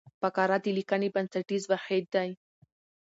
فقره د لیکني بنسټیز واحد دئ.